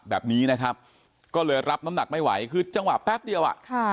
แบบนี้นะครับก็เลยรับน้ำหนักไม่ไหว